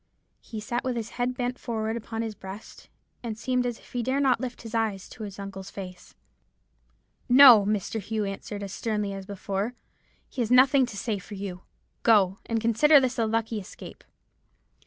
He sat with his head bent forward upon his breast, and seemed as if he dare not lift his eyes to his uncle's face. "'No!' Mr. Hugh answered, as sternly as before, 'he has nothing to say for you. Go; and consider this a lucky escape.'